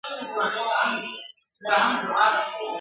چي زه ماشوم وم له لا تر اوسه پوري ..